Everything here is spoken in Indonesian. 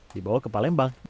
dibawa ke palembang